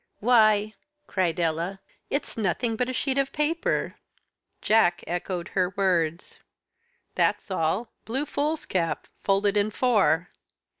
"Why," cried Ella, "it's nothing but a sheet of paper." Jack echoed her words. "That's all blue foolscap folded in four."